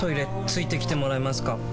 付いてきてもらえますか？